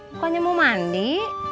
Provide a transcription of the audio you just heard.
bukannya mau mandi